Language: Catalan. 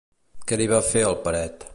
Què li va fer al Peret?